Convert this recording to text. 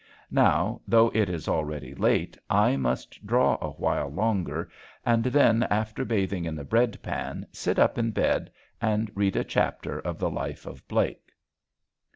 Now, though it is already late, I must draw a while longer and then, after bathing in the bread pan, sit up in bed and read a chapter of the life of Blake.